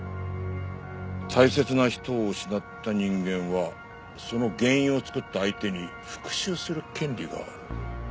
「大切な人を失った人間はその原因を作った相手に復讐する権利がある」。